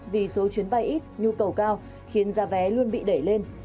vì số chuyến bay ít nhu cầu cao khiến giá vé luôn bị đẩy lên